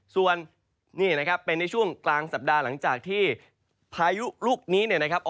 ส่วนนี่นะครับเป็นในช่วงกลางสัปดาห์หลังจากที่พายุลูกนี้เนี่ยนะครับ